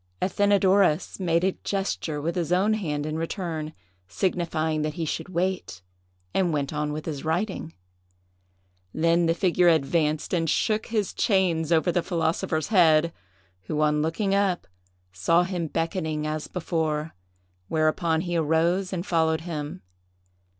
Athenadorus made a gesture with his own hand in return, signifying that he should wait, and went on with his writing. Then the figure advanced and shook his chains over the philosopher's head, who, on looking up, saw him beckoning as before; whereupon he arose and followed him.